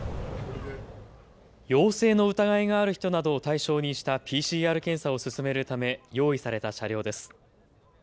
陽性の疑いがある人などを対象にしたＰＣＲ検査を進めるため用意された車両です。